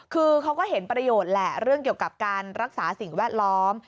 คือเขาก็เห็นประโยชน์แหละเรื่องเกี่ยวกับการรักษาสิ่งแวดล้อม